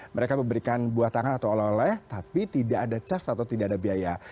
mereka memberikan buah tangan atau oleh oleh tapi tidak ada cas atau tidak ada biaya